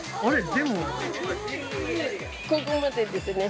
でもここまでですね